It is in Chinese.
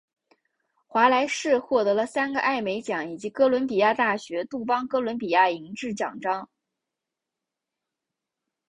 华莱士获得了三个艾美奖以及哥伦比亚大学杜邦哥伦比亚银质奖章。